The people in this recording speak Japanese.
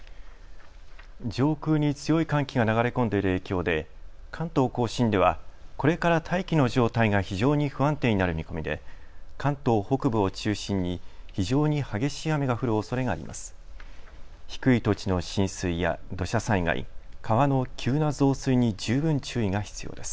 上空に強い寒気が流れ込んでいる影響で関東甲信ではこれから大気の状態が非常に不安定になる見込みで関東北部を中心に非常に激しい雨が降るおそれがあります。